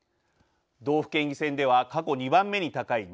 道府県議選では過去２番目に高い２５％。